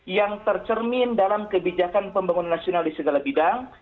yang tercermin dalam kebijakan pembangunan nasional di segala bidang